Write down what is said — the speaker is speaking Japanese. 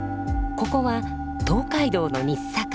ここは東海道の日坂。